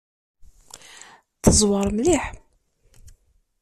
Teẓwer mliḥ.